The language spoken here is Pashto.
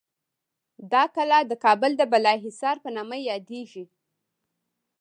دا کلا د کابل د بالاحصار په نامه یادیږي.